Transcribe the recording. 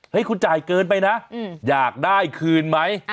คุณจ่ายเกินไปนะอยากได้คืนไหม